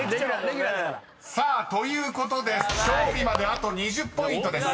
［さあということで勝利まであと２０ポイントです］